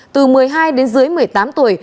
từ một mươi hai đến dưới một mươi tám tuổi